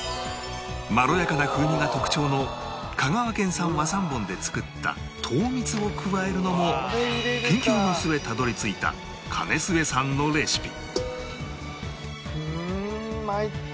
まろやかな風味が特徴の香川県産和三盆で作った糖蜜を加えるのも研究の末たどり着いた包末さんのレシピ